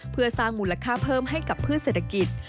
เพื่อสร้างมูลค่าเพิ่มให้กับพืชเศรษฐกิจ